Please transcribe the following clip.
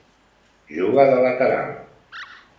Juga de lateral.